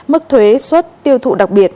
mức thuế suốt tiêu thụ đặc biệt